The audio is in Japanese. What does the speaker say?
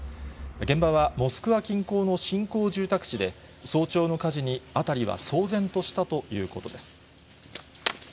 現場はモスクワ近郊の新興住宅地で、早朝の火事に辺りは騒然としたということです。